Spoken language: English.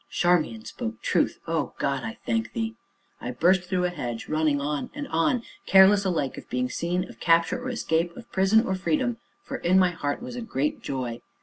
"Charmian spoke truth! O God, I thank thee!" I burst through a hedge, running on, and on careless alike of being seen, of capture or escape, of prison or freedom, for in my heart was a great joy.